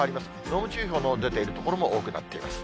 濃霧注意報の出ている所も多くなっています。